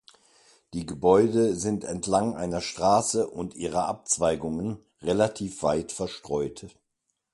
Die Gebäude sind entlang einer Straße und ihrer Abzweigungen relativ weit verstreut.